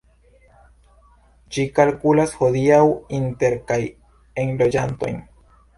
Ĝi kalkulas hodiaŭ inter kaj enloĝantojn.